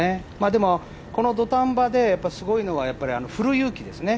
でも、この土壇場ですごいのは振る勇気ですよね。